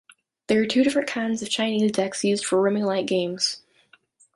There are two different kinds of Chinese decks used for rummy like games.